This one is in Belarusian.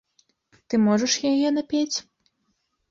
Ты можаш яе напець?